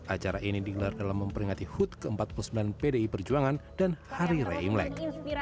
acara ini digelar dalam memperingati hut ke empat puluh sembilan pdi perjuangan dan hari raya imlek